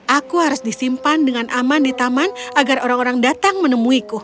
aku harus disimpan dengan aman di taman agar orang orang datang menemuiku